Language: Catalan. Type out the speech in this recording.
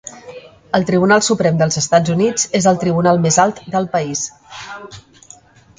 El Tribunal Suprem dels Estats Units és el tribunal més alt del país.